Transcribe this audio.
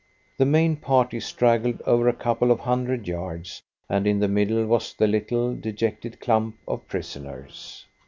The main party straggled over a couple of hundred yards, and in the middle was the little, dejected clump of prisoners.